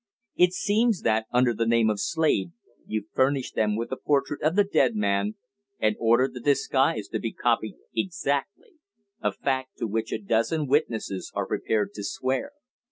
It seems that, under the name of Slade, you furnished them with a portrait of the dead man and ordered the disguise to be copied exactly a fact to which a dozen witnesses are prepared to swear.